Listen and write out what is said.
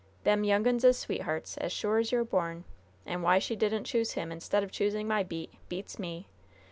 "Them young uns is sweethearts, as sure as you're born. And why she didn't choose him, instead of choosing my beat, beats me.